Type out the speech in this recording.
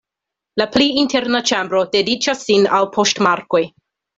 La pli interna ĉambro dediĉas sin al poŝtmarkoj.